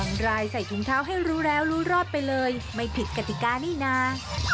รายใส่ถุงเท้าให้รู้แล้วรู้รอดไปเลยไม่ผิดกติกานี่นะ